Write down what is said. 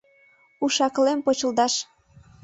— Уш-акылем почылдаш!